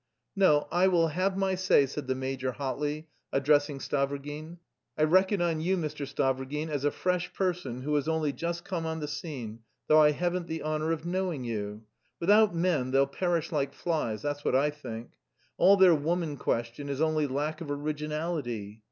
"No, I will have my say," said the major hotly, addressing Stavrogin. "I reckon on you, Mr. Stavrogin, as a fresh person who has only just come on the scene, though I haven't the honour of knowing you. Without men they'll perish like flies that's what I think. All their woman question is only lack of originality.